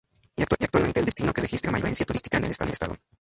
Y actualmente el destino que registra mayor afluencia turística en el estado.